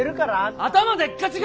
頭でっかちが！